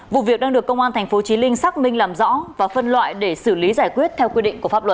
vụ việc đang được công an tp chí linh xác minh làm rõ và phân loại để xử lý giải quyết theo quy định của pháp luật